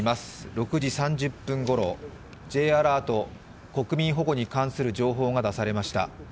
６時３０分ごろ、Ｊアラート、国民保護に関する情報が出されました。